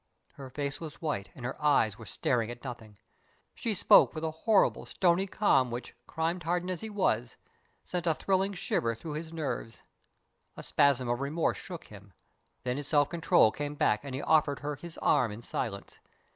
Her face was white and her eyes were staring at nothing. She spoke with a horrible, stony calm which, crime hardened as he was, sent a thrilling shiver through his nerves. A spasm of remorse shook him; then his self control came back, and he offered her his arm in silence.